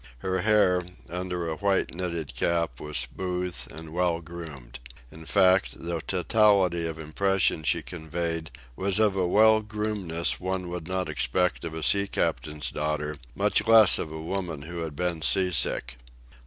Her hair, under a white knitted cap, was smooth and well groomed. In fact, the totality of impression she conveyed was of a well groomedness one would not expect of a sea captain's daughter, much less of a woman who had been sea sick.